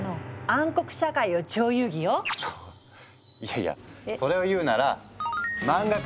そいやいやそれを言うならそっか！